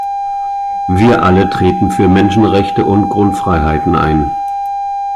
Wir alle treten für Menschenrechte und Grundfreiheiten ein.